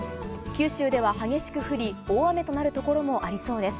九州では激しく降り、大雨となる所もありそうです。